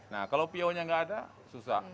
nah kalau piaunya nggak ada susah